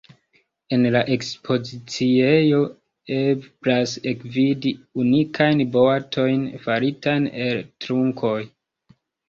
En la ekspoziciejo eblas ekvidi unikajn boatojn, faritajn el trunkoj.